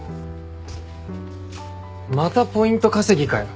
またポイント稼ぎかよ。